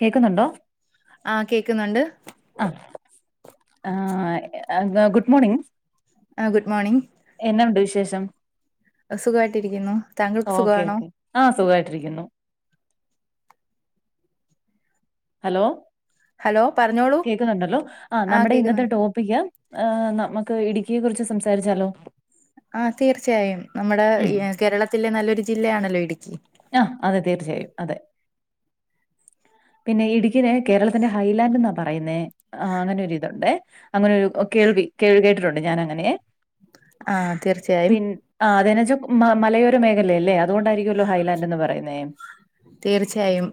കേക്ക്ന്നുണ്ടോ ആഹ് കേക്കുന്നുണ്ട് ആഹ് ആഹ് എ ഗുഡ് മോർണിംഗ് ആഹ് ഗുഡ് മോണിംഗ് എന്നാ ഒണ്ട് വിശേഷം ആഹ് സുഖവായിട്ടിരിക്കുന്നു താങ്കൾക്ക് സുഖവാണോ? ആഹ് സുഖവായിട്ടിരിക്കുന്നു ഹലോ ഹലോ പറഞ്ഞോളൂ കേക്കുന്നുണ്ടല്ലോ ആഹ് നമ്മടെ ഇന്നത്തെ ടോപ്പ് പ്പിക്ക് ഏഹ് നമ്മക്ക് ഇടുക്കിയെ കുറിച്ച് സംസാരിച്ചാലോ ആഹ് തീർച്ചയായും നമ്മടെ ഉം ഈ കേരളത്തിലെ നല്ലൊരു ജില്ലയാണല്ലോ ഇടുക്കി ആഹ് അതെ തീർച്ചയായും അതെ പിന്നെ ഇടുക്കീനെ കേരളത്തിന്റെ ഹൈലാൻഡ്ന്നാ പറയുന്നേ ആഹ് അങ്ങനൊരിതൊണ്ടേ അങ്ങനെ ഒരു കേൾവി കേൾ കേട്ടിട്ടുണ്ട് ഞാൻ അങ്ങനെയെ ആഹ് തീർച്ചയായും ആഹ് അതെന്നാച്ചാ മലയോര മേഖലയല്ലേ അതുകൊണ്ടായിരിക്കുവല്ലോ ഹൈലാൻഡ് എന്ന് പറയുന്നേ തീർച്ചയായും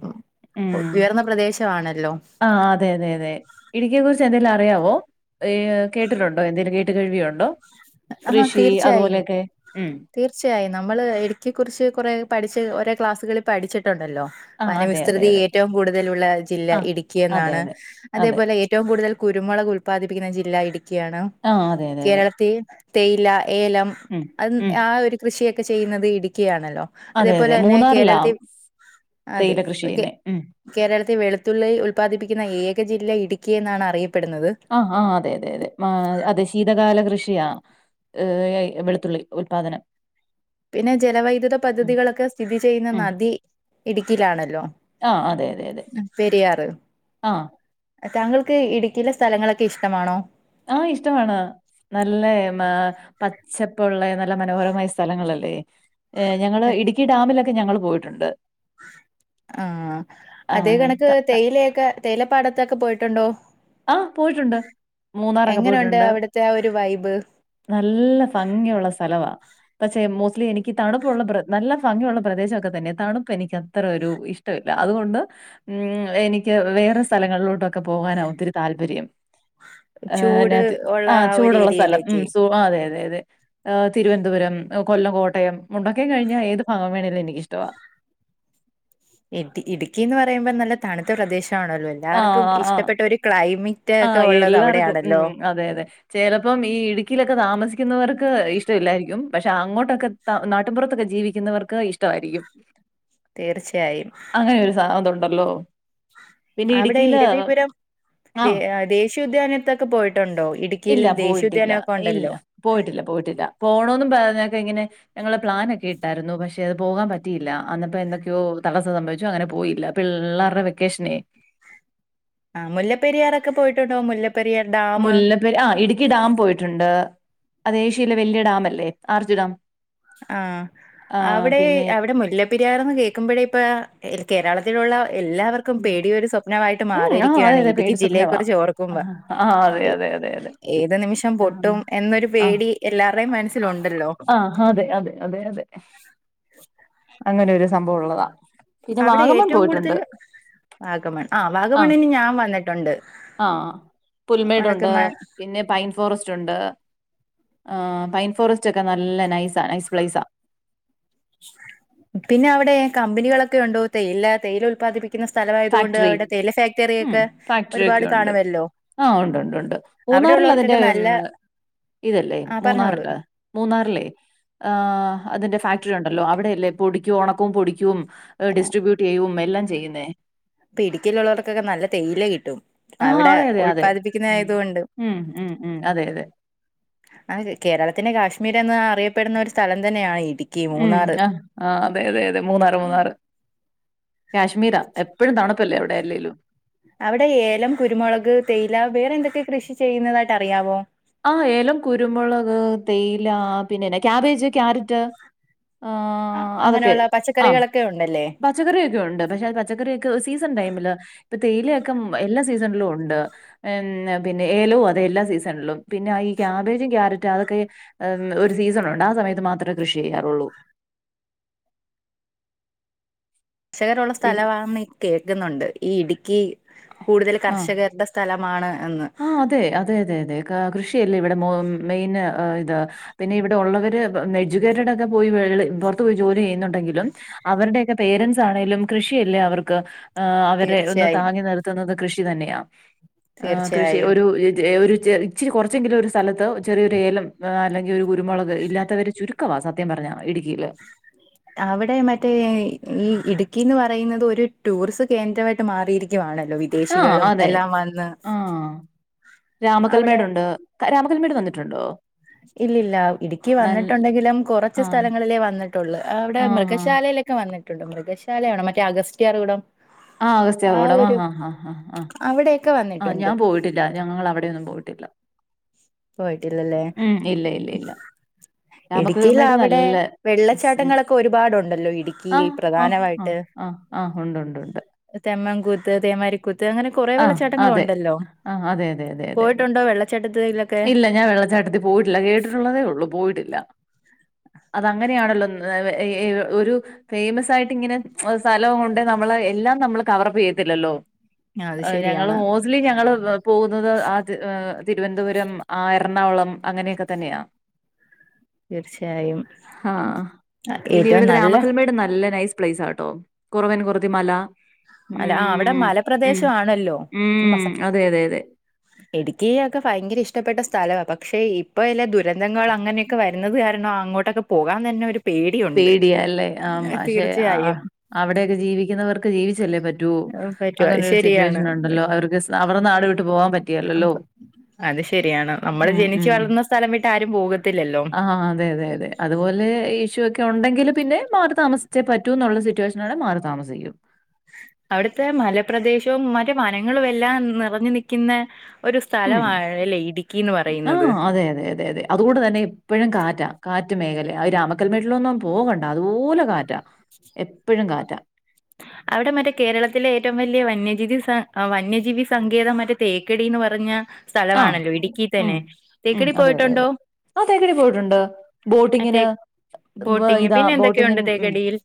ഉം ഉയർന്ന പ്രദേശമവാണല്ലോ ആഹ് അതെ അതെ അതെ ഇടുക്കിയെ കുറിച്ച് എന്തെലും അറിയാവോ ഏഹ് കേട്ടിട്ടുണ്ടോ എന്തേലും കേട്ട് കേഴ്‌വിയുണ്ടോ ആഹ് കൃഷി തീർച്ചയായും അതുപോലെയൊക്കെ ഉം തീർച്ചയായും നമ്മള് ഇടുക്കിയെ കുറിച്ച് കൊറെ പഠിച്ച് ഒരേ ക്ലാസ്സുകളിൽ പഠിച്ചിട്ടുണ്ടല്ലോ ആഹ് അതെ അതെ വനവിസ്തൃതി അതെ ഏറ്റവും കൂടുതലുള്ള ജില്ല ആഹ് ഇടുക്കി അതെ എന്നാണ് അതെ അതെ അതേപോലെ ഏറ്റവും കൂടുതൽ കുരുമുളക് ഉൽപാദിപ്പിക്കുന്ന ജില്ല ഇടുക്കിയാണ് ആഹ് അതെ അതെ അതെ കേരളത്തി തേയില ഏലം ഉം ഉം ആ ഒരു കൃഷിയൊക്കെ ചെയ്യുന്നത് ഇടുക്കിയാണല്ലോ അതെ അതേപോലെ അതെ തന്നെ മൂന്നാറിലാ കേരളത്തി അതെ തേയില കൃഷി ചെയ്യുന്നേ ഉം കേരളത്തി വെളുത്തുള്ളി ഉല്പാദിപ്പിക്കുന്ന ഏക ജില്ല ഇടുക്കി എന്നാണ് അറിയപ്പെടുന്നത് ആഹ് ആഹ് അതെ അതെ അതെ മ അതെ ശീതകാല കൃഷിയാ ഏഹ് വെളുത്തുള്ളി ഉൽപാദനം പിന്നെ ജലവൈദ്യുത ഉം പദ്ധതികളൊക്കെ സ്ഥിതി ചെയ്യുന്ന ഉം നദി ഇടുക്കിലാണല്ലോ ആഹ് അതെ അതെ അതെ ആഹ് താങ്കൾക്ക് ഇടുക്കിയിലെ സ്ഥലങ്ങളൊക്കെ ഇഷ്ട്ടമാണോ ആഹ് ഇഷ്ട്ടമാണ് നല്ലേ മ പാപ്പൊള്ളെ നല്ല മനോഹരമായ സ്ഥലങ്ങളല്ലേ ഏഹ് ഞങ്ങള് ഇടുക്കി ഡാമിലൊക്കെ ഞങ്ങൾ പോയിട്ടുണ്ട് ആഹ് അതേ ആഹ് ത കണക്ക് ത തേയില ഒക്കെ തേയിലപ്പാടത്തൊക്കെ പോയിട്ടുണ്ടോ? ആഹ് പോയിട്ടുണ്ട്. മൂന്നാറൊക്കെ എങ്ങനൊണ്ട് പോയിട്ടുണ്ട്. അവിടുത്തെ ആ ഒരു വൈബ്. നല്ല ഫംഗിയുള്ള സ്ഥലവാ. പക്ഷെ മോസ്റ്റ്ലി എനിക്ക് തണുപ്പുള്ള പ്ര നല്ല ഫംഗിയുള്ള പ്രദേശമൊക്കെ തന്നെയാ തണുപ്പ് എനിക്ക് അത്ര ഒരു ഇഷ്. ട്ടവില്ലാ അതുകൊണ്ട് ഉം എനിക്ക് വേറെ സ്ഥലങ്ങളിലോട്ടൊക്കെ പോവാനാ ഒത്തിരി താല്പര്യം. ഏഹ് ചൂട് ന്നാതി ഉള്ള ആഹ് ആ ഒരു ചൂടുള്ള സ്ഥലം ഉം ഏരിയയിലേക്ക് സു ആഹ് അതെ അതെ അതെ. ഏഹ് തിരുവനന്തപുരം, കൊല്ലം, കോട്ടയം, മുണ്ടക്കെെ കഴിഞ്ഞാ ഏത് ഫാഗം വേണേലും എനിക്കിഷ്ട്ടവാ. ഇട് ഇടുക്കീന്ന് പറയുമ്പോ നല്ല തണുത്ത പ്രദേശാണല്ലോ ആഹ് എല്ലാവർക്കും ആഹ് ഇഷ്ടപ്പെട്ട ഒരു ക്ലൈമീ. റ്റ് ഒക്കെ ആഹ് ഉള്ളത് എല്ലാർക്കും ഉം അവിടെയാണല്ലോ. അതെ അതെ ചെലപ്പം ഈ ഇടുക്കിയിലൊക്കെ താമസിക്കുന്നവർക്ക് ഇഷ്ടമില്ലായിരിക്കും. പക്ഷെ അങ്ങോട്ടൊക്കെ. ത നാട്ടിൻപുറത്തൊക്കെ ജീവിക്കുന്നവർക്ക് ഇഷ്ടവായിരിക്കും. തീർച്ചയായും. അങ്ങനെ ഒരു സാതുണ്ടല്ലോ പിന്നെ അവിടെ ഇടുക്കിയിലവ. ഇരവിപുരം ദേ ആഹ് ദേശീയോദ്യാനത്തൊക്കെ പോയിട്ടുണ്ടോ ഇടുക്കിയിൽ ഇല്ല പോയിട്ടില്ല. ദേശീയോദ്യാനമൊക്കെ ഇല്ല. ഉണ്ടല്ലോ. പോയിട്ടില്ല പോയിട്ടില്ല പോണന്ന് പറഞ്ഞക്ക ഇങ്ങനെ. ഞങ്ങളെ പ്ലാനൊക്കെ ഇട്ടായിരുന്നു. പക്ഷെ അത് പോകാൻ പറ്റിയില്ല അന്നപ്പോ എന്തൊക്കെയോ തടസ്സ സംഭവിച്ചു അങ്ങനെ പോയില്ല. പിള്ളേരുടെ വെക്കേഷനെ. ആഹ് മുല്ലപ്പെരിയാറൊക്കെ പോയിട്ടുണ്ടോ? മുല്ലപ്പെരിയാർ ഡാം. ആഹ് ഇടുക്കി ഡാം പോയിട്ടുണ്ട്. അത് ഏഷ്യയിലെ വലിയ ഡാം അല്ലേ ആർജു ഡാം. ആഹ് ആ അവിടെ പിന്നെ അവിടെ മുല്ല. പെരിയാർന്ന് കേൾക്കുമ്പോഴേ ഇപ്പ കേരളത്തിലുള്ള എല്ലാവർ. ക്കും ഉം പേടി ഒരു സ്വപ്നമായിട്ട് ഉം, ആ അതെ മാറിയിരിക്കുകയാണ് അതെ ഇടുക്കി പേടി ജില്ലയെ സ്വപ്നവാ. കുറിച്ച് ആ ഓർക്കുമ്പോ. ആ അതെ അതെ അതെ അതെ. ഏത് നിമിഷം ആ പൊട്ടും എന്നൊരു പേടി എല്ലാവാരേയും മനസ്സിലുണ്ടല്ലോ. ആഹ് അതെ അതെ അതെ അതെ അങ്ങനെ ഒരു സംഭവംള്ളതാ. പിന്നെ അവിടെ വാഗമൺ ഏറ്റവും പോയിട്ടുണ്ട്. കൂടുതൽ വാഗമൺ ആഹ് ആ വാഗമണിന് ഞാൻ വന്നിട്ടുണ്ട് ആഹ് പുൽമേടുണ്ട് വാഗമൺ. പിന്നെ പൈൻ ഫോറസ്റ്റ് ഉണ്ട്. പൈൻ ഫോറസ്റ്റ് ഒക്കെ നല്ല നൈസ നൈസ് പ്ലേസ. പിന്നെ അവിടെ കമ്പനികളൊക്കെ ഉണ്ടോ? തേയില തേൽ ഉല്പാദിപ്പി. ക്കുന്ന സ്ഥലവായതുകൊണ്ട് ഫാക്ടറി അവിടെ തേയില ഫാക്ടറി ഉം ഒക്കെ ഫാക്ടറി ഒക്കെ ഒരുപാട് ഉണ്ട് കാണുവല്ലോ. ആഹ് ഉണ്ട് ഉണ്ട് ഉണ്ട് മൂന്നാറിൽ അതിന്റെ നല്ല ഇതല്ലേ ആ പറഞ്ഞോളൂ മൂന്നാറില്. മൂന്നാറ്ല്ലേ ആഹ് അതിന്റെ ഫാക്ടറി ഉണ്ടല്ലോ അവിടെയല്ലേ പൊടിക്ക ഉണക്കവും പൊടിക്കും. ഡിസ്ട്രിബ്യൂട്ട് ചെയ്യും എല്ലാം ചെയ്യുന്നേ. പ്പൊ ഇടുക്കലുള്ളവർക്കൊക്കെ നല്ല തേയില കിട്ടും. ആഹ് അവിടെ അതെ അതെ അതെ ഉം ഉല്പാദിപ്പിക്കുന്നായതൊണ്ട്. ഉം ഉം ഉം അതെ അതെ അ ര് കേരളത്തിന്റെ കാശ്മീർ എന്ന് അറിയപ്പെടുന്ന ഒരു സ്ഥലം തന്നെയാണ് ഇടി. ഉംഹ് ആഹ് ആഹ് അതെ അതെ അതെ മൂന്നാറ് മൂന്നാറ്. കാശ്മീരാ എപ്പോഴും തണുപ്പല്ലേ അവിടെ എല്ലേലും. അവിടെ ഏലം, കുരുമുളക്, തേയില വേറെ എന്തൊക്കെ കൃഷി ചെയ്യുന്നതായിട്ട് അറിയാവോ? ആഹ് ഏലം, കുരുമുളക്, തേയില പിന്നെന്ന ക്യാബേജ്, ക്യാരറ്റ്. ആഹ് അങ്ങനെയുള്ള ആഹ് പച്ചക്കറികളൊക്കെ ഉണ്ടല്ലേ. പച്ചക്കറിയൊക്കെ ഉണ്ട് പക്ഷെ അത് പച്ചക്കറിയൊക്കെ സീസൺ ടൈമില്. ഇപ്പൊ തേയിലൊക്കെ എല്ലാ സീസണിലും ഉണ്ട്. പിന്നെ ഏലവും അതെ എല്ലാ സീസണിലും പിന്നെ ഈ ക്യാബേജും ക്യാരറ്റ് അതൊക്കെ. ഉംഹ്. ഒരു സീസൺ ഉണ്ട് ആ സമയത്ത് മാത്രേ കൃഷി ചെയ്യാറുള്ളൂ. കർഷകരുള്ള പിൻ സ്ഥലമാെന്ന് കേൾക്കുന്നുണ്ട്. ഈ ഇടുക്കി കൂടുതൽ കർഷകരുടെ. സ്ഥലമാണ് എന്ന്. ആഹ് അതെ അതെ അതെ അതെ കൃഷിയല്ലേ ഇവിടെ മ. മെയിൻ ഇത് പിന്നെ ഇവിടെ ഒള്ളവര്. എഡ്യൂക്കേറ്റഡ് ഒക്കെ പോയി പുറത്ത് പോയി ജോലി ചെയ്യുന്നുണ്ടെങ്കിലും. അവരുടെയൊക്കെ പേരൻറ്സ് ആണേലും കൃഷിയല്ലേ അവർക്ക് ആഹ് അവരെ ഒന്ന് തീർച്ചയായും താങ്ങി നിർത്തുന്നത് കൃഷി തന്നെയാണ് തീർച്ചയായും രു രി ച്ചെഒരു ഇച്ചിഇച്ചിരി കുറച്ചെങ്കിലും ഒരു സ്ഥലത്ത് ചെറിയൊരു ഏലം അല്ലെങ്കിൽ ഒരു കുരുമുളക് ഇല്ലാത്തവര് ചുരു ക്കവാ സത്യം പറഞ്ഞാ ഇടുക്കിയില്. അവിടെ മറ്റേ ഈ ഇടുക്കിന്ന് പറയുന്നത് ഒരു ടൂറിസ് കേന്ദ്രമായിട്ട് മാറിയിരിക്കുവാണല്ലോ. വി ആ, ദേശികളും അതെ. എല്ലാം വന്ന് അവിടെ രാമകൽമേടുണ്ട്. ക രാമകൽമേട് വന്നിട്ടുണ്ടോ? ഇല്ലില്ല ഇടുക്കി നൽ വന്നിട്ടുണ്ടെങ്കിലും കുറച്ച് ആ, സ്ഥല ങ്ങളിലേ വന്നിട്ടുള്ളു അവിടെ ആ, ആ. മൃഗശാലയിലൊക്കെ വന്നിട്ടുണ്ട് മൃഗശാലയാണോ മറ്റേ അഗസ്റ്റയാർ കൂടം ആഹ് അസ്ത്യാർ കുടം ആഹ് ഹഹ ഹ ഹ അവിടെയൊക്കെ വന്ന് ആഹ് ഞാൻ പോയിട്ടില്ല ഞങ്ങള് അവിടൊയൊന്നും പോയിട്ടില്ല. പോയിട്ടില്ലല്ലേ ഉം. ഇല്ല ഇല്ല ഇല്ല ഇടുക്കിയിൽ രാമകൽമേട് അവിടെ നല്ല സ് വെള്ളച്ചാട്ടങ്ങളൊക്കെ ഒരുപാടുണ്ടല്ലോ ഇടുക്കിയിൽ ആഹ് ആഹ് ആഹ് പ്രധാനമായിട്ട് ആഹ് ആഹ് ഉണ്ടുണ്ടുണ്ട്. തെമ്മൻങ്കൂത്ത് തേമാരിക്കൂത്ത് അങ്ങനെ കുറെ ആഹ് അതെ വെള്ളച്ചാട്ടങ്ങളുണ്ടല്ലോ ആന് അതെ അതെ അതെ അതെ അതെ പോയിട്ടുണ്ടോ വെള്ളച്ചാട്ടത്തിലൊക്കെ ഇല്ല ഞാൻ വെള്ളച്ചാട്ടത്തി പോയിട്ടില്ല കേട്ടിട്ടുള്ളതേ ഉള്ളൂ പോയിട്ടില്ല. അതങ്ങനെയാണല്ലോ ന്ന എ എ ഒരു ഫേമസ് ആയിട്ട് ഇങ്ങനെ സ്ഥലം ഉണ്ടേ നമ്മള് എല്ലാം നമ്മള് കവർ അപ്പ് ചെയ്യത്തില്ലല്ലോ. ആ, അത് അഹ് ഞങ്ങള് ശരിയാണ് മോസ് റ്റ്ലി ഞങ്ങള് പോകുന്നത് ആ തി ഏഹ് തിരുവനന്തപുരം ആ എറണാകുളം അങ്ങനെയൊക്കെ തന്നെയാ. തീർച്ചയായും ആഹ് ആ, പിന്നെ ഏറ്റവും ഇവിടെത്തെ നല്ല രാമക്കൽമേട് നല്ല നൈസ് പ്ലേസാട്ടോ. കുറവൻ കുറുതി മല മല ആഹ് അവിടെ മലപ്രദേശ ആണല്ലോ ഉം അതെ അതെ അതെ ഇടുക്കി യൊക്കെ ഭയങ്കര ഇഷ്ടപ്പെട്ട സ്ഥലവാ. പക്ഷേ ഇപ്പോൾ എല്ല ദുരന്തങ്ങൾ അങ്ങനെയൊക്കെ വരുന്നത് കാരണം അങ്ങോട്ടൊക്കെ പോകാൻ തന്നെ ഒരു പേടിയുണ്ട് പേടിയല്ലേ ആം പക്ഷെ ആഹ് തീർച്ചയായും അവിടെയൊക്കെ ജീവിക്കുന്നവർക്ക് ജീവിച്ചല്ലേ പറ്റൂ. പറ്റുവ അങ്ങനെ അത് ഒരു ശരിയാണ് സിറ്റുവേഷൻ ഉണ്ടല്ലോ അവർക്ക് അവറെ നാട് വിട്ടു പോവാൻ പറ്റികേലല്ലോ. അത് ശരിയാണ് നമ്മള് ജനിച്ചു വളർന്ന സ്ഥലം വിട്ട് ആരും പോകത്തില്ലല്ലോ. ആഹ് അതെ അതെ അതെ അതുപോലെ ഈ ഇഷ്യൂ ഒക്കെ ഉണ്ടെങ്കിൽ പിന്നെ മാറി താമസിച്ചേ പറ്റൂ എന്നുള്ള സിറ്റുവേഷനാണെ മാറി താമസിക്കും. അവിടുത്തെ മലപ്രദേശവും മറ്റെ വനങ്ങളും എല്ലാം നിറഞ്ഞു നിക്ക്യ്ന്നെ ഒരു സ്ഥലമാണ് ലെ ഇഡിക്കീന്ന് പറയുന്നത്. അതെയതെ അതെ അതെയാ അതുകൊണ്ട് തന്നെ എപ്പഴും കാറ്റാ. കാറ്റ് മേഖലയാ. അഹ് രാമക്കൽമേട്ടിലൊന്നും പോകണ്ട അതുപോലെ കാ റ്റാ എപ്പഴും കാറ്റാ. അവിടെ മറ്റേ കേരളത്തിലെ ഏറ്റവും വലിയ വന്യജീതി സ വന്യജീവി സങ്കേതം മറ്റേ തേക്കടീന്ന് പറഞ്ഞ ആ. സ്ഥലവാണല്ലോ ഇടുക്കി തന്നെ, തേക്കടി പോയിട്ടുണ്ടോ? ആഹ് തേക്കടി പോയിട്ടുണ്ട് മറ്റേ ബോട്ടിങ്ങിന്. ബ ബോട്ടിങ് ഇതാ പിന്നെ എന്തൊക്കെയുണ്ട് ബോട്ടിങ്ങിൻ ഉം തേക്കടിയിൽ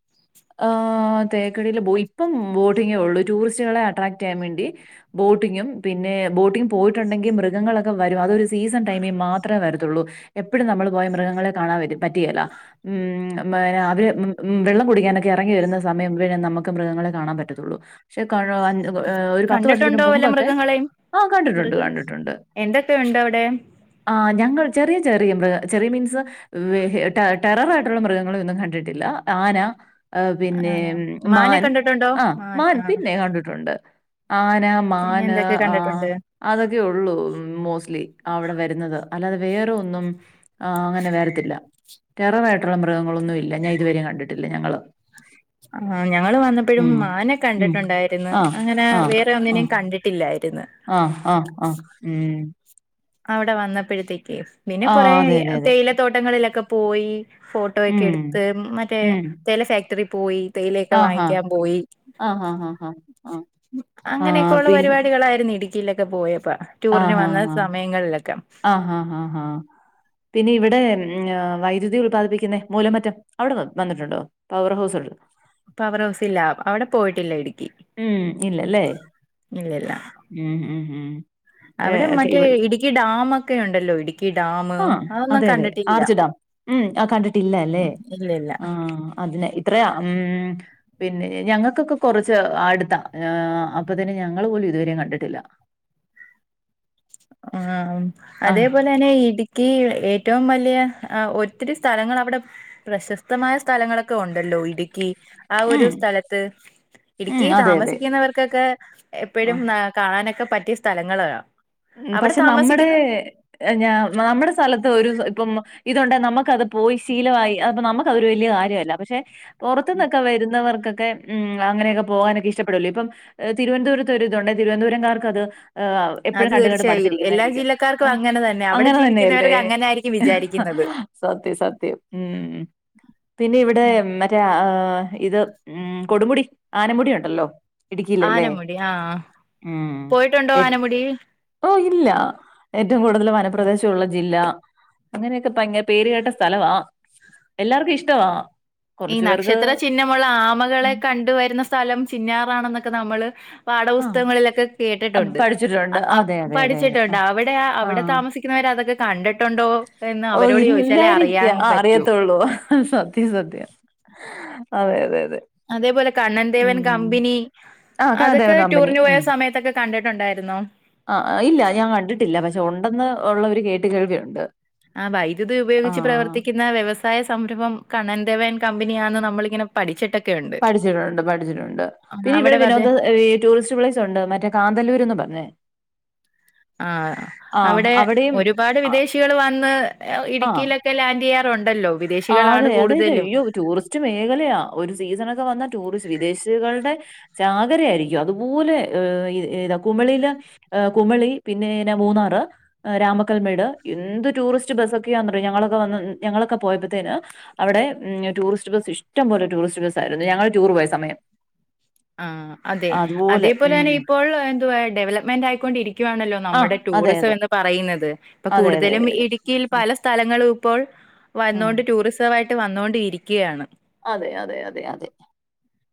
ആഹ് തേക്കടീല് ബോയി ഇപ്പം ബോട്ടിങ്ങേ ഉള്ളൂ ടൂറിസ്റ്റുകളെ അട്രാക്ട് ചെയ്യാൻ വേണ്ടി. ബോട്ടിങ്ങും പിന്നെ ബോട്ടിംഗും പോയി ട്ടുണ്ടെങ്കി മൃഗങ്ങളൊക്കെ വരും അതൊരു സീസൺ ടൈമി മാത്രേ വരത്തൊള്ളൂ. എപ്പഴും നമ്മൾ പോയ മൃഗങ്ങളെ കാണാൻ വരും പറ്റികേല്ല. ഉം പിന്ന അവര് വെള്ളം കുടിക്കാനൊക്കെ ഇറങ്ങി വരുന്ന സമയം നമുക്ക് മൃഗങ്ങളെ കാണാൻ പറ്റത്തുള്ളൂ പക്ഷെ ഒരു പത്ത് വർഷത്തിന് മുമ്പൊക്കെ ആഹ് കണ്ടിട്ടുണ്ട്. എന്തൊക്കെ ഉണ്ട് അവിടെ. ആഹ് ഞങ്ങൾ ചെറിയ ചെറിയ മൃഗ ചെറിയ മീൻസ് ടെറർ ആയിട്ടുള്ള മൃഗങ്ങള ഒന്നും കണ്ടിട്ടില്ല ആന ആഹ് പിന്നെ ആണോ മാനെ മാൻ കണ്ടിട്ടുണ്ടോ ആഹ് മാൻ ആഹ് പിന്നെ കണ്ടിട്ടുണ്ട് ആന പിന്നെ മാന് എന്തൊക്കെ ആഹ് കണ്ടിട്ടുണ്ട് അതൊക്കെ ഉള്ളൂ മോസ്റ്റ്ലി അവിടെ വരുന്നത് അല്ലാതെ വേറെ ഒന്നും ആഹ് അങ്ങനെ വരത്തില്ല ടെററായിട്ടുള്ള മൃഗങ്ങളൊന്നും ഇല്ല ഞാൻ ഇതുവരെയ കണ്ടിട്ടില്ല ഞങ്ങള് ആഹ് ഞങ്ങള് വന്നപ്പോഴും ഉം മാനെ ഉം കണ്ടിട്ടുണ്ടായിരുന്ന് ആ അങ്ങനെ വേറെ ഒന്നിനേം കണ്ടിട്ട് ട്ടില്ലായിരുന്നു. ആഹ് ആഹ് ആഹ് ഉം. അവിടെ വന്നപ്പോഴത്തേക്ക് പിന്നെ ആ കൊറെ അതെ അതെ അതെ തേയില തോട്ട തട്ടങ്ങളിലൊക്കെ പോയി ഫോട്ടോ ഒക്കെ ഉം എടുത്ത് മറ്റേ ഉം തെയ്‌ല ഫാക്ടറി പോയി. തേയിലേക്കെ ആ ഹാ വാങ്ങിക്കാൻ പോയി. ആ ഹാ ഹാ ഹാ ആ ആഹ് അങ്ങനെയൊക്കെയ ഉള്ള പിൻ പരിപാടികളായിരുന്നു ഇടുക്കിയിലൊക്കെ പോയപ്പ ടൂറിന് ആഹ് വന്ന ആഹ് സമയങ്ങളിലൊക്കെ ആഹ് ആഹ് ആഹ്. പിന്നെ ഇവിടെ വൈദ്യുതി ഉത്പാദിപ്പിക്കുന്ന മൂലമറ്റം അവിടെ വന്നിട്ടുണ്ടോ. പവർ ഹൗസ് ഉത് പവർ ഹൗസ് ഇല്ല അവിടെ പോയിട്ടില്ല ഇടുക്കി. ഉം ഇല്ലല്ലേ ഇല്ലല്ല ഉം ഉം ഉം. അവിടെ ഏഹ് മറ്റേ ഇവിടെ ഇടുക്കി ഡാമ ഒക്കെ ഉണ്ടല്ലോ ഇടു ആഹ് അതെ അതെ അറച്ചിടാം ഉം ആഹ് കണ്ടിട്ടില്ല അല്ലേ ഇല്ലല്ല ആഹ് അതിനെ അത്രയാ ഉം പിന്നെ ഞങ്ങൾക്കൊക്കെ കുറച്ച് അടുത്താ അപ്പൊ തന്നെ ഞങ്ങള് പോലും ഇതുവരെയും കണ്ടിട്ടില്ല. ആഹ്മ് ആഹ് അതേപോലെ അതന്നെ ഇടുക്കി ഏറ്റവും വലിയ ഒത്തിരി സ്ഥലങ്ങൾ അവിടെ പ്രശസ്തമായ സ്ഥലങ്ങളൊക്കെ ഉണ്ടല്ലോ ഇടുക്കി ആഹ് ഉം ഒരു സ്ഥലത്ത് ഉം ഇടുക്കി അതെ അതെ താമസിക്കുന്നവർക്കൊക്കെ എപ്പോഴും ആഹ് കാണാനൊക്കെ പറ്റിയ സ്ഥലങ്ങളാണ്. ഉം പക്ഷെ നമ്മുടെ ഞാ നമ്മുടെ സ്ഥലത്ത് ഒരു ഇപ്പം ഇതുകൊണ്ട് നമുക്കത് പോയി ശീലമായി അപ്പ നമുക്ക് ഒരു വലിയ കാര്യമല്ല പക്ഷെ പൊറത്തുന്നൊക്കെ വരുന്നവർക്കൊക്കെ ഉം അങ്ങനെയൊക്കെ പോകാനൊക്കെ ഇഷ്ടപ്പെടല്ലോ ഇപ്പം തിരുവനന്തപുരത്ത് ഒരുരിതണ്ട് തിരുവനന്തപുരംകാർക്കത് എപ്പോഴും അത് കണ്ടുകണ്ട് തീർച്ചയായും. എല്ലാ മടുത്തിരിക്കുന്നായിരിക്കും ജില്ലക്കാർക്കും അങ്ങനെ തന്നെ. അവിടെ അങ്ങനെ തന്നെയല്ലേ ജീവിക്കുന്നവർക്ക് അങ്ങനെ ആയിരിക്കും വിചാരിക്കുന്നത്. സത്യ സത്യം ഉം ഉം. പിന്നെ ഇവിടെ ഉം. മറ്റേ ആഹ് ഇത് ഉം കൊടുമുടി ആനമുടി ഉണ്ടല്ലോ ഇടുക്കില്ലല്ലേ ആനമുടി ആഹ്. ഉം പോയിട്ടുണ്ടോ ഏറ്റ് ആനമുടി? ഓഹ് ഇല്ല ഏറ്റവും കൂടുതൽ വനപ്രദേശ ഉള്ള ജില്ല അങ്ങനെയൊക്കെ ഭയങ്കര പേര് കേട്ട സ്ഥലവാ എല്ലാർക്കും ഇഷ്ടവാ. ഈ കുറച്ചു പേർക്ക് നക്ഷത്ര ചിഹ്നമുള്ള ആമകളെ കണ്ടുവരുന്ന സ്ഥലം ചിന്നാറാണെന്നൊക്കെ നമ്മള് ആഹ് പാഠപുസ്തകങ്ങളിലൊക്കെ കേട്ടിട്ടുണ്ട് പഠിച്ചിട്ടുണ്ട് അതെ അതെ അതെ അതെ പഠിച്ചിട്ടുണ്ട് ആഹ് അവിടെ അവിടെ ആഹ് താമസ ക്കുന്നവർ അതൊക്കെ കണ്ടിട്ടുണ്ടോ എന്ന് ഓ അവരോട് ചോദിച്ചാലേ ഇല്ലായിരിക്ക അറിയാൻ ആ പറ്റൂ. അറിയത്തുള്ളൂ സത്യം സത്യം അതെ അതെ അതെ. അതേപോലെ കണ്ണൻ ദേവൻ ഉം കമ്പനി ആ കാദേവ അതൊക്കെ കമ്പനി ടൂറിന് പോയ സമയത്തൊക്കെ കണ്ടട്ടുണ്ടായിരുന്നോ? ആഹ് ഇല്ല ഞാൻ കണ്ടിട്ടില്ല. പക്ഷെ ഉണ്ടെന്ന് ഒള്ളര് കേട്ട് കേൾവിയുണ്ട്. ആഹ് വൈദ്യുതി ഉപയോഗിച്ച് പ്രവർ ആഹ് ത്തിക്കുന്ന വ്യവസായ സംരംഭം കണ്ണൻ ദേവൻ കമ്പനിയാണ് നമ്മളിങ്ങനെ പഠിച്ചിട്ടൊക്കെ ഉണ്ട്. പഠിച്ചിട്ടുണ്ട് പഠിച്ചിട്ടുണ്ട്. പിന്നെ ഇവര് വതെ വിനോദ ഏഹ് ടൂറിസ്റ്റ് പ്ലേസ് ണ്ട് മറ്റേ കാന്തല്ലൂരന്ന് പറഞ്ഞ്. ആഹ് ആഹ് അവിടെ അവിടെയും ഒരുപാട് വിദേശികള് വന്ന് ഇടുക്കിയിലൊ ക്കെ ലാൻ് ചെയ്യാറുണ്ടല്ലോ. ആഹ് വിദേശികളാണ് അതെ. അതെ അതെ കൂടുതലും. അയ്യോ ടൂറിസ്റ്റ് മേഖലയാ, ഒരു സീസൺ ഒക്കെ വന്ന ടൂറിസ്റ്റ് വിദേശികളുടെ ചാകര ആയിരിക്കും. അതുപോലെ ഏഹ് ഏതാ കുമിളില് കുമളി പിന്നെ ന്ന മൂന്നാറ് രാമക്കൽമേട് എന്ത് ടൂറിസ്റ്റ് ബസ്സക്കെയാന്നറിയോ ഞങ്ങളൊക്കെ വ ഞങ്ങളൊക്കെ പോയപ ത്തേന് അവടെ ടൂറിസ്റ്റ് ബസ് ഇഷ്ടം പോലെ ടൂറിസ്റ്റ് ബസ് ആയിരുന്നു ഞങ്ങൾ ടൂർ പോയ സമയം. [inaudible] ആഹ് അതെ. അതുപോലെ അതേപോലെ തന്നെ ഉം. ഇപ്പോൾ എന്തുവാ ഡെവലപ്മെന്റ് ആയിക്കൊണ്ടിരിക്കുകയാണല്ലോ ആ നമ്മുടെ അതെ, ടൂറിസം അതെ. എന്ന് പറയുന്നത്. ഇപ്പൊ അതെ, അതെ, കൂടുതലും അതെ, അതെ. ഇടുക്കിയിൽ ഉം, പല സ്ഥലങ്ങളും ഇപ്പോൾ ഉം. വന്നൊണ്ട് ടൂറിസമായിട്ട് വന്നോണ്ട് ഇരിക്കുകയാണ്. അതെ അതെ അതെ അതെ.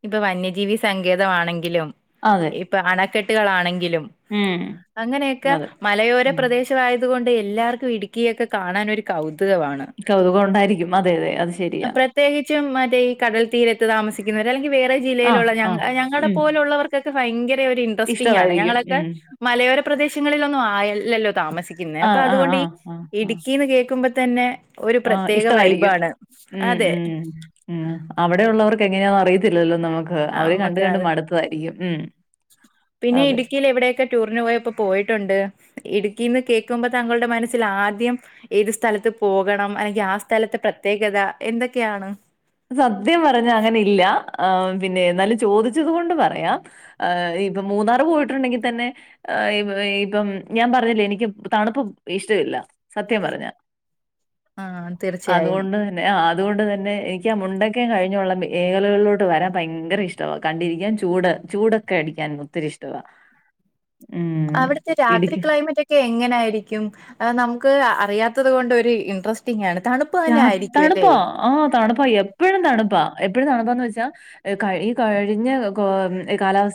ഇപ്പൊ വന്യജീവി സങ്കേതമാണെങ്കിലും, അതെ. ഇപ്പൊ അണക്കെട്ടുകളാണെങ്കിലും ഉം. അങ്ങനെക്ക അതെ. മലയോര ഉം. പ്രദേശ ങ്ങളായതു കൊണ്ടേ, എല്ലാർക്കും ഇടുക്കിയൊക്കെ കാണാൻ ഒരു കൗതുകമാണ്. കൗതുകണ്ടായിരിക്കും, അതെ അതെ അത് ശരിയാ. പ്രത്യേകിച്ചും മറ്റേ ഈ കടൽ തീരത്ത് താമസിക്കുന്നവർ അല്ലെങ്കിൽ വേറെ ആഹ് ജില്ലയിലുള്ള ഞ ആഹ് ഞങ്ങളുടെ ഉം പോലുള്ളവർ കൊക്കെ ഭയങ്കര ഒരു ഇൻട്രസ്റ്റിംഗ് ആണ്. ഇഷ്ടവായിരിക്കും ഞങ്ങളൊക്കെ ഉം മലയോര പ്രദേശങ്ങളിലൊന്നും ആയല്ലല്ലോ താമസിക്കുന്നേ. അപ്പൊ ആഹ് ആഹ് അതുകൊണ്ട് ഈ ആഹ് ആഹ് ആഹ് ഇടുക്കിന്ന് കേൾക്കുമ്പോ തന്നെ ഒരു ആഹ് പ്രത്യേക ഇഷ്ടവായിരിക്കും വൈബാണ് ഉം അതെ. ഉം ഉം അവിടെ ഉള്ളവർക്ക് എങ്ങനെയാന്ന് അറിയത്തില്ലല്ലോ നമു ക്ക്. ആ അവര് കണ്ട് നമുക്ക് കണ്ട് അത് മടുത്തതായിരിക്കും ഉം അതെ. ഇല്ല ഇവിടേക്ക ടൂറിന് പോയപ്പോ പോയിട്ടുണ്ട്. ഇടുക്കിന്ന് കേൾക്കുമ്പോ താങ്കളുടെ മനസ്സിൽ ആദ്യം ഏത് സ്ഥലത്ത് പോകണം അല്ലെങ്കിൽ ആ സ്ഥലത്തെ പ്രത്യേകത എന്തൊക്കെയാണ്. സത്യം പറഞ്ഞ അങ്ങനെ ഇല്ല. ആഹ് പിന്നെ എന്നാലും ചോദിച്ചത് കൊണ്ട് പറയാം. ആഹ് ഇപ്പൊ മൂന്നാറ് പോയിട്ടുണ്ടെങ്കിൽ തന്നെ ഏഹ് ഇ ഇപ്പം ഞാൻ പറഞ്ഞില്ലേ എനിക്ക് തണുപ്പ് ഇഷ്ടമില്ല. സത്യം പറഞ്ഞ, ആ തീർച്ചയായും അതുകൊണ്ട് തന്നെ ആ അതുകൊണ്ട് തന്നെ എനി ക്കാ മുണ്ടക്കൻ കഴിഞ്ഞുള്ള മേഖലകളിലോട്ട് വരാൻ ഭയങ്കര ഇഷ്ടമാ. കണ്ടിരിക്കാൻ ചൂട് ചൂടൊക്കെ അടിക്കാൻ മു ഒത്തിരി ഇഷ്ടവാ. മ്മ്. അവിടത്തെ രാത്രി ഇടുക്കി ക്ലൈമറ്റ ക്കെ എങ്ങനെയായിരിക്കും, നമുക്ക് അറിയാത്തത് കൊണ്ട് ഒരു ഇൻട്രസ്റ്റിംഗ് ആണ്. തണു ചാ തണുപ്പാ ആ തണുപ്പാ. എപ്പഴും തണുപ്പാ. എപ്പോഴും തണുപ്പാന്ന് വെച്ചാ കഴി ഈ കഴിഞ്ഞ ഗോ കാലാവസ്